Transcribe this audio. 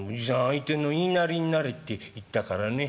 『相手の言いなりになれ』って言ったからね。